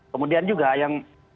kemudian juga yang